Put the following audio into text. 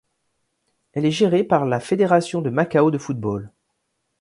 Elle est gérée par la Fédération de Macao de football.